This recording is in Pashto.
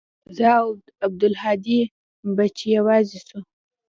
زه او عبدالهادي به چې يوازې سو.